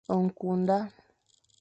Ñkü nda.